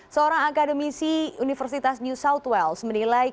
seorang akademisi universitas new south wales menilai